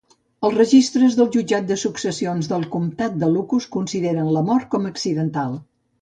Els registres del jutjat de successions del comtat de Lucus consideren la mort com accidental.